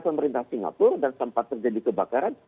pemerintah singapura dan sempat terjadi kebakaran